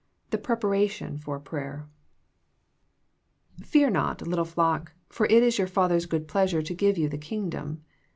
THE PREPARATION FOR PRAYER Fear not, little flock ; for it is your Father* s good pleasure to give you the Kingdom."